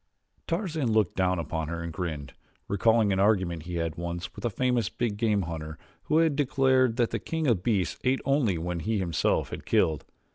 Tarzan looked down upon her and grinned, recalling an argument he had once had with a famous big game hunter who had declared that the king of beasts ate only what he himself had killed.